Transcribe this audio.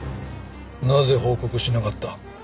なぜ報告しなかった？